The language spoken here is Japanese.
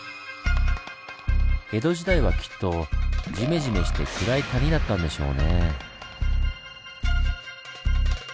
江戸時代はきっとじめじめして暗い谷だったんでしょうね。